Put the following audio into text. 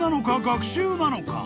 学習なのか？